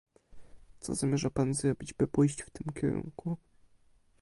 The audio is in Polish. Co zamierza pan zrobić, by pójść w tym kierunku?